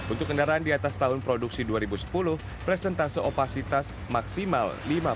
untuk kendaraan di atas tahun produksi dua ribu sepuluh presentase opasitas maksimal lima puluh